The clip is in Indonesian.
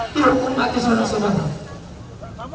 dihukum mati semua semua